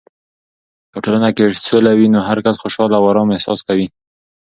که په ټولنه کې سوله وي، نو هرکس خوشحال او ارام احساس کوي.